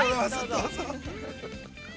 どうぞ。